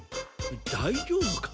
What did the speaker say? だいじょうぶか？